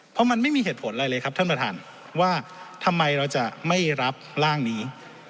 เพราะมันไม่มีเหตุผลอะไรเลยครับท่านประธานว่าทำไมเราจะไม่รับร่างนี้